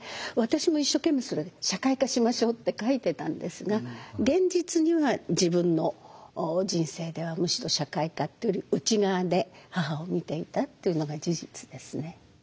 私も一生懸命それで社会化しましょうって書いてたんですが現実には自分の人生ではむしろ社会化っていうより内側で母を見ていたっていうのが事実ですね。